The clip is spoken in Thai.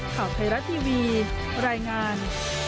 ข่าวไทยรัฐทีวีรายงาน